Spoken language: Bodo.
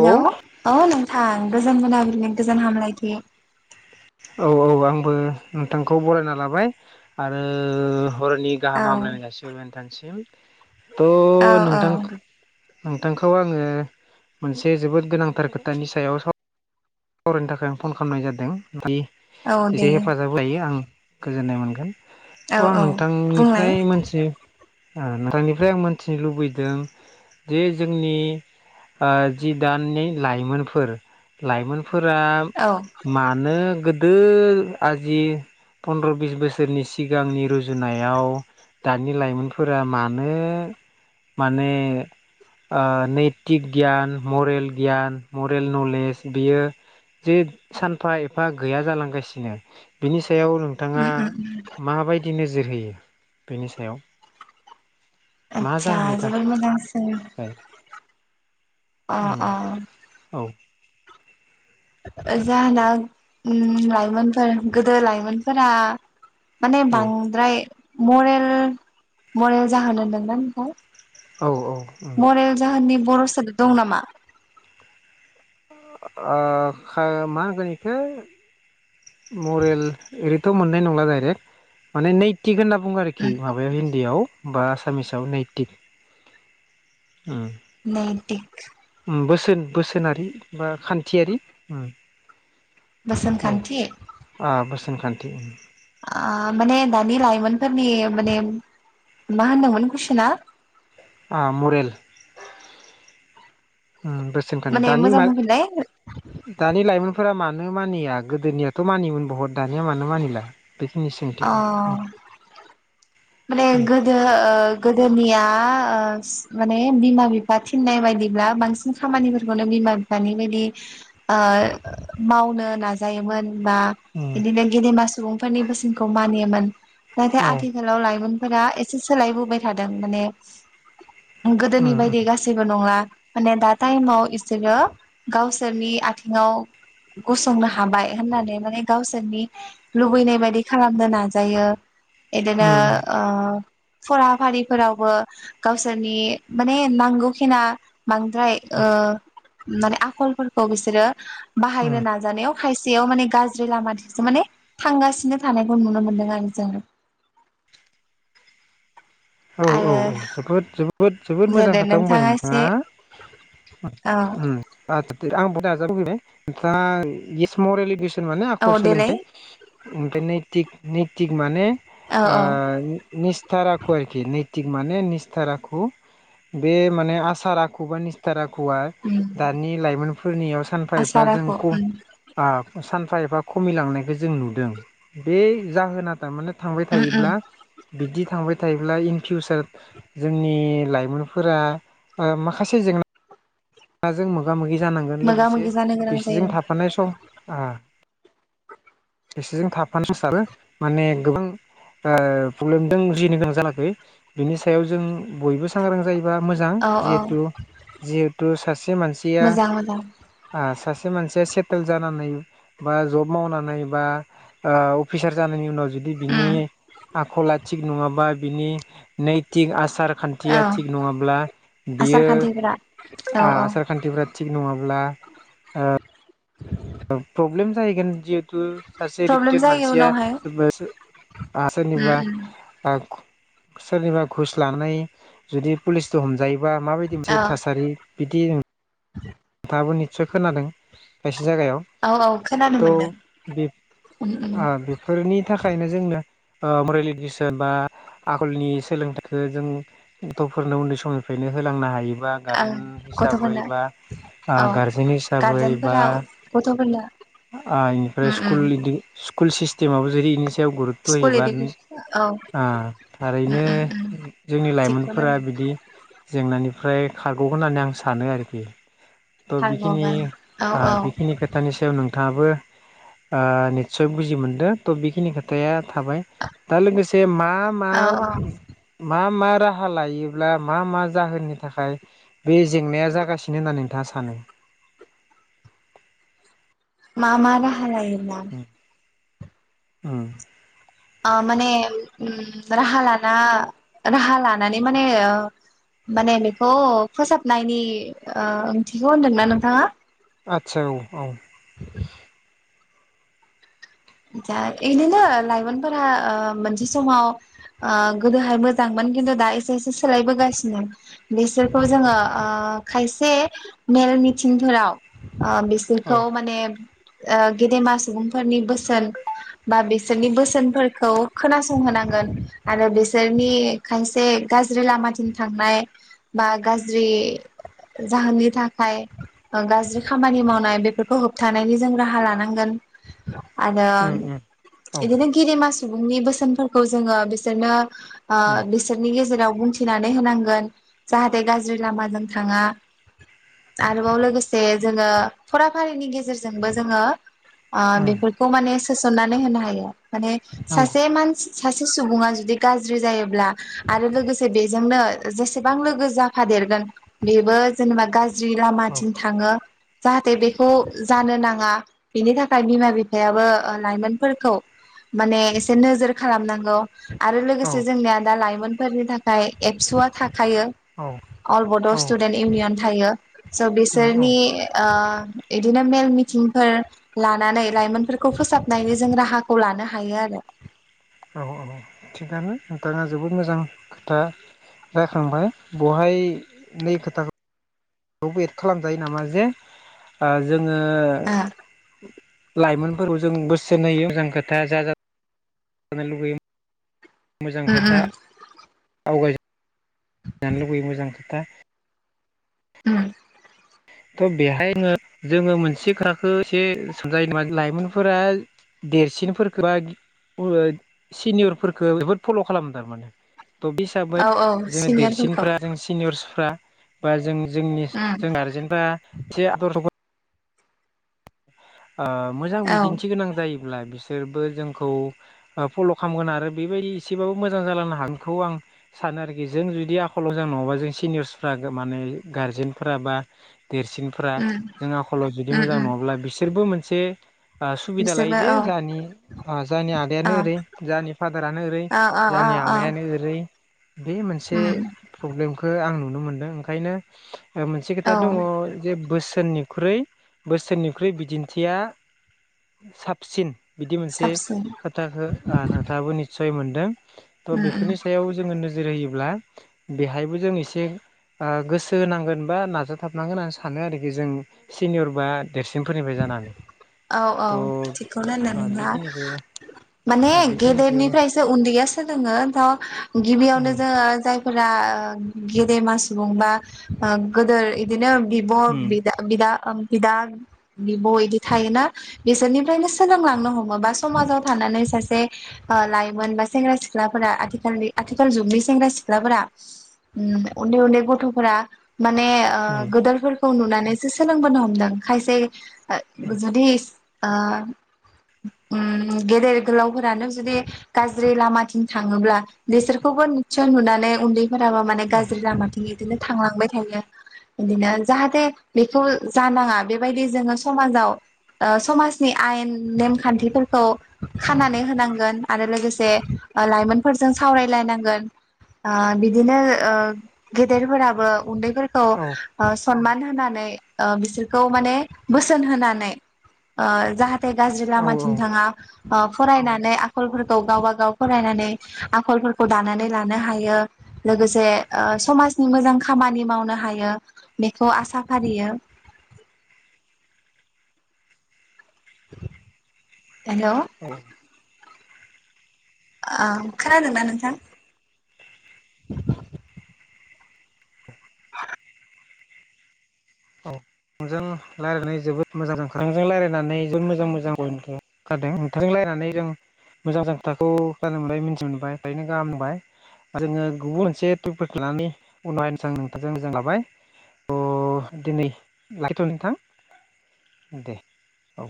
औ औ नोंथां गोजान मोनाबिलिनि गोजोन हामलायदि औ औ आंबो नोंथांखौ बरायना लाबाय आरो हरनि औ गाहाम हामलायनाय जासिहरग्रोबाय नोंथांनिसिम औ थ' औ नोंथां नोंथांखौ आङो मोनसे जोबोद गोनांथार खोथानि सायाव साव सावरायनो थाखाय आं फन खालामनाय जादों औ दे एसे हेफाजाब लायो आं गोजोननाय मोनगोन औ थ' आं औ बुंलाय नोंथांनिफ्राय मोनसे नोंथांनिफ्राय आं मोनथिनो लुबैदों जे जोंनि जि दानि लाइमोनफोर लाइमोनफोरा औ मा गोदो आजि पनद्र' बिस बोसोरनि सिगांनि रुजुनायाव दानि लाइमोनफोरा मानो माने नैथिक गियान मरेल गियान मरेल नलेज बियो जे सानफा एफा गैया जालांगासिनो बिनि सायाव नोंथाङा उम उम माबायदि नोजोर होयो बेनि सायाव मा आदसा जाहोननि जोबोद मोजांसो थाखाय अ अ औ जाहोना लाइमोनफोर गोदो लाइमोनफोरा माने औ बांद्राय मरेल मरेल जाहोनोदोंमोन ओमफ्राय औ औ औ बर' सोदोब दं नामा मा होनगोन इखो मरेल ओरैथ मोननाय नंला डाइरेक्ट माने न थिग होन्ना बुङो आरोखि माबायाव हिन्दीआव बा आसामिसाव नैइटिन नैतिक बोसोन बोसोनारि बा खान्थियारि बसोनखानथि खान्थि उम माने दानि लाइमोनफोरनि माने मा होनदोंमोन कुइसना मरेल बोसोनख माने दानि मोजां बुंफिनलाय दानि लाइमोनफोरा मानो मानिया गोदोनियाथ मानियोमोन बहत दानिया मानो मानिला सोंथि अ माने गोदो गोदो आंनिया माने बिमा बिफा थिननाय बायदिब्ला बांसिन खामानिफोरखौनो बिमा दानि बायदि मावनो नाजायोमोन उम उम बिदिनो गेदेमा सुबुंफोरनि बोसोनखौ मानियोमोन नाथाय उम औ आथिखालाव लाइमोनफोरा एसे सोलायबोबाय थादों माने उम गोदोनि उम बायदि गासैबो नङा माने दा टाइमाव बिसोरो गावसोरनि आथिङाव गसंनो हाबाय होननानै माने गावसोरनि लुबैनाय बायदि खालामनो नाजायो इदिनो आ फराफारिफोरावबो गावसोरनि माने नांगौखिना बांद्राय माने आखलफोरखौ बिसोरो बाहायनो उम नाजानायाव खायसेयाव माने गाज्रि लामाथिंसो माने थांगासिनो थानायखौ नुनो मोनदों आरो जोङो औ औ औ आरो जोबोद जोबोद जोबोद दे मोजां दे खोथा बुंबाय नोंथाङा एसे औ [unintelligible] माने औ आखल देलाय सोलोंथाइ ओमफ्राय नैथिक नैथिक माने औ आ औ निस्थाराखय नैथिक माने निस्थार आखु बे माने आसखर आखु बा निस्थार आखु उम दानि लाइमोनफोरनियाव सानफा एफा जों आसाराखौ उम खम सफा एफा खमिलांनायखौ जों नुदों बे जाहोना थारमाने थांबाय उम उम थायोब्ला बिदि थांबाय थायो इन फिउसार जोंनि लाइमोनफोरा माखासे जेंना नाजों मोगा मोगि जानांगोन मोगा लोगोसे मोगि जानो गोनां बिसिजों जायो थाफानाय सम खसेजों थाफानो सारो माने गोबां प्रब्लेम दों जुजिनो गोनां जायाखै बिनि सायाव जों बयबो सांग्रां जायो मोजां औ औ जिहेथु जिहेथु मानसिया मोजां मोजां मनसिया सेटेल जानानै बा जब मावनानै बा अफिसार जानायनि उनाव जुदि बिनि उम आखला थिग नङाबा बिनि नैथिक आसार औ खान्थिया थिग नङाब्ला आसार बियो खान्थिफोरा औ औ आसार खान्थिफ्रा थिग नङाब्ला प्रब्लेम जाहैगोन जि सासे प्रब्लेम रिपिटेड जायो मानसिया उनावहाय सोरबा उम सोरनिबा उम सोरनिबा घुस लानानै जुदि पुलिसजों हमजायोबा माबायदि औ मोनसे थासारि बिदि दाबो निस्सय खोनादों खायसे जायगायाव औ औ खोनानो थ' मोनदों बे उम उम बेफोरनि थाखायनो जोंनो मरेल इडुकेसन बा आगोलनि सोलोंथखौ जों गथ'फोरनो उन्दै समनिफ्रायनो होलांनो हायोबा ओ गारजेन हिसाबै गथ'फोरनो बा औ गारजेन हिसाबै बा गारजेनफोरा गथ'फोरनो इनिफ्राय उम स्कुल उम स्कुल सिस्टेमाबबो जुदि इनि सायाव गुरुतथ' स्कुल होयोबा इडुकेसन औ उम थारैनो उम उम जोंनि थिगखौनो लाइमोनफोरा होनदों बिदि जेंनानि ओम्रफ्राय खारग'गोन होननानै आं सानो आरोखि थ' बेखिनि खारबावगोन औ औ बेखिनि खोथानि सायाव नोंथांङाबो निस्सय बुजि मोनदों त' बेखिनि खोथाया थाबाय दा लोगोसे मा मा - औ मा औ - मा मा मा राहा लायोब्ला मा मा जाहोननि थाखाय बे जेंनाया जागासिनो नो होननानै नोंथांङा सानो मा मा राहा लायोब्ला ओम माने राहा लाना राहा लानानै माने माने बेखौ फोसाबनायनि ओंथिखौ होनदोंना नोंथांङा आदसा औ औ [inaudible] जा बेदिनो लाइमोनफोरा मोनसे समाव गोदोहाय मोजांमोन खिन्थु दा एसे एसे सोलायबोगासिनो बिसोरखौ उम जोंङो खायसे मेल मिथिंफोराव औ बिसोरखौ माने गेदेमा सुबुंफोरनि बोसोन बा बिसो बिसोरनि बोसोनफोरखौ खोनासंहोनांगोन आरो बिसोरनि खायसे गाज्रि लामा थि थांनाय बा गाज्रि जाहोननि थाखाय गाज्रि खामानि मावनाय बेफोरखौ होबथानायनि जों राहा लानांगोन [unintelligible] आरो उम उम औ बिदिनो गेदेमा सुबुंनि बोसोनफोरखौ जोंङो बिसोरनो ओ उम बिसोरनि गेजेराव बुंथिनानै होनांगोन जाहाथे गाज्रि लामाजों थांङा आरोबाव लोगोसे जोंङो फराफारिनि गेजेरजोंबो जोंङो उम बेफोरखौ माने सोसननानै होनो हायो माने नंगौ सासे मानसि सासे सुबुंङा जुदि गाज्रि जायोब्ला आरो लोगोसे बेजोंनो जेसेबां लोगो जाफादों दोन बेबो जेनेबा गाज्रि औ लामाथिं थांङो जाहाथे बेखौ जानो नांङा बिनि थाखाय बिमा बिफा हाबो लाइमोनफोरखौ माने एसे नोजोर खालामनांगौ आरो औ लोगोसे जोंनिया दा लाइमोनफोरनि थाखाय एबसुआ थाखा थायो औ अल बड' औ स्टुडेन्ट इउनियन थायो। स' उम औ बिसोरनि बिदिनो मेल मिथिंफोर लानानै लाइमोन फोरफोरखौ फोसाबनायनि जों राहाखौ लानो हायो आरो औ - औ थिगानो नोंथांङा जोबोद मोजां खोथा रायखांबाय बेहाय नै खोथाखौ बो एद खालामजायो नामा जे जों जोंङो आरो लाइमोनफोरफोरखौ जों बोसोन होयो मोजां खोथाया जा होनो लुगैयो मोजां ओ खोथा आवगाय ओम थ' बेहायनो जोंङो मोनसे खोथाखौ एसे सानजायो नामा लाइमोनफोरा देरसिनफोरखौ बा जोबोद सिनियरखो बेफोरद फल' खालामो थारमाने थ' बे हिसाबै औ औ जोङो सिनियरफोरखौ देरसिनफ्रा जों सिनियरसफ्रा बा जों जोंनि उम जों आरो ज एसे आदर स मोजां औ बिदिन्थि गोनां जायोब्ला बिस बिसोरबो जोंखौ फल' खालामगोन आरो बेबायदि एसेबाबो मोजां जालांनो हागोनखौ आं स आरोखि जों जुदि आखलाव मोजां नङाबा जों सिनियरसफ्रा माने गारजेनफोरा बा देरसिनफोरा उम जों आखलाव जुदि उम मोजां उम नङाब्ला बिसि से सुबिदा लायो बिसोरबो जे औ जा जोंनि औ आदायानो ओरै जोंनि फादारानो ओरै ओ ओ ज ओ ओ लामायानो ओरै बे मोनसे उम प्रब्लेमखौ आं नुनो मोनदों ओंखायनो मोनसे औ खोथा दङ जे बोसोननिख्रुइ बोसोननिख्रुइ दिन्थिया साबसिन बिदि मोनसे साबसिन खोथाखौ नोंथाङाबो निस्सय मोनदों थ' उम उम बेफोरनि सायाव जोङो नोजोर होयोब्ला बेहायबो जों एसे गोसो होनांगोन बा नाजाथाबनांगोन होननानै सानो आरोखि जों सिनियर बा देरसिन फोरनिबाय जानानै औ औ थिगखौनो होनदों नोंथांङा बेखिनिखौ माने बेखिनिखौ गेदेरनिफ्रायसो उन्दैया सोलोङो था औ गिबियावनो जोङो जायफोरा गेदेमा सुबुं बा गोदोर बिदिनो बिब' उम बिदा बिदा आं बिदा बिब' बिदि थायोना बिसोरनिफ्रायनो सोलोंलांनो हमोबा समाजाव थानानै सासे लाइमोन बा सेंग्रा सिख्लाफोरा आथिखालनि आथिखाल जुगनि सेंग्रा सिख्लाफोरा उ उन्दै उन्दै गथ'फोरा माने गोदोरफोरखौ नुनानैसो सोलोंबोनो हमदों खायसे जुदि गेदेर गोलावफोरानो जुदि गाज्रि लामाथिं थाङोब्ला बिसोरखौबो मिसन नुनानै उन्दैफोराबो माने औ गाज्रि लामाथिं बिदिनो थांलांबाय थायो बिदिनो जाहाथे बेखौ जानाङा बेबायदि जोङो समाजाव समाजनि आयेन नेमखान्थिफोरखौ खानानै होनांगोन आरो लोगोसे लाइमोनफोरजों सावरायलायनांगोन बिदिनो गेदेरफोराबो उन्दैफोरखौ सनमान होनानै बिसोरखौ माने बोसोन होनानै जाहाथे गाज्रि औ लामाथिं थाङा फरायनानै आखलफोरखौ गावब गाव फरायनानै आखलफोरखौ दानानै लानो हायो लोगोसे समाजनि मोजां खामानि मावनो हायो बेखौ आसा फारियो [inaudible] हेल' औ खोनादोंना नोंथां नोंजों रायजलायनाय जोबोद मोजां नोंजों रायलायनानै जोबोद मोजां मोजां गय खारदों नोंथांजोंलायनानै जों मोजां मोजां खोथाखौ गनो मोनबाय मिन्थि मोनबाय ओखायनो गाहामबाय आरो जोङो गुबुन मोनसे टुबफोरखौ लानानै उनस नोंथांजों मोजां लाबाय दिनै लाखैथ' नोंथां दे औ